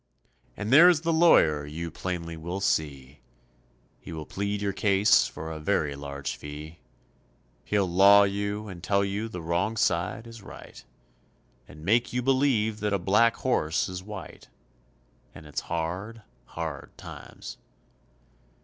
And there is the lawyer you plainly will see, He will plead your case for a very large fee, He'll law you and tell you the wrong side is right, And make you believe that a black horse is white, And it's hard, hard times.